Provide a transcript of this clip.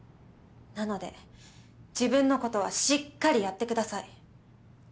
なので自分のことはしっかりやってください。